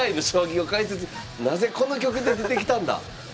なぜこの曲で出てきたんだ！